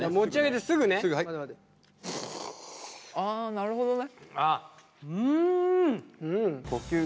なるほどね。